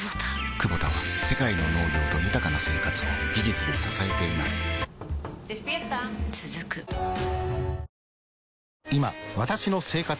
クボタは世界の農業と豊かな生活を技術で支えています起きて。